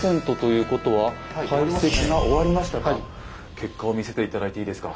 結果を見せて頂いていいですか？